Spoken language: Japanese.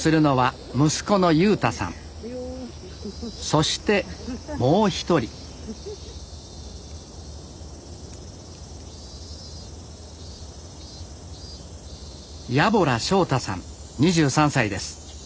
そしてもう一人家洞昌太さん２３歳です。